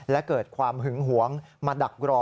และเกิดความหึงหวงมาดักรอ